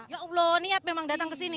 ya allah niat memang datang kesini